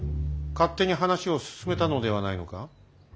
勝手に話を進めたのではないのか？